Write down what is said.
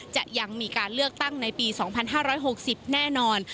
จะยังมีการเลือกตั้งในปี๒๕๖๐แน่นอน